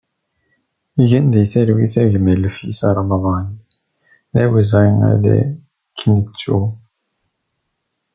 Gen di talwit a gma Ifis Remḍan, d awezɣi ad k-nettu!